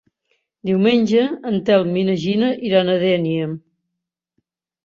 Diumenge en Telm i na Gina iran a Dénia.